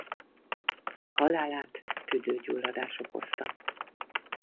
Halálát tüdőgyulladás okozta.